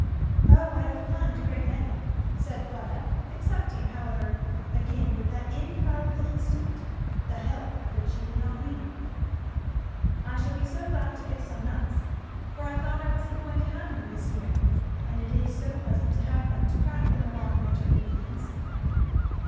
"O I have climbed a great many," said Fleda, accepting however, again with that infallible instinct, the help which she did not need "I shall be so glad to get some nuts, for I thought I wasn't going to have any this year; and it is so pleasant to have them to crack in the long winter evenings."